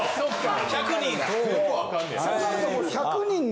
１００人。